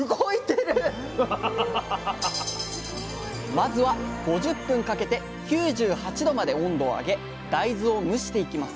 まずは５０分かけて９８℃まで温度を上げ大豆を蒸していきます